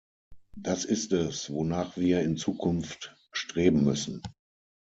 Das ist es, wonach wir in Zukunft streben müssen.